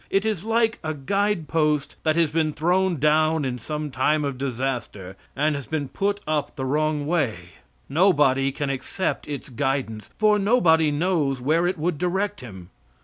It is like a guidepost that has been thrown down in some time of disaster, and has been put up the wrong way. Nobody can accept its guidance, for nobody knows where it would direct him.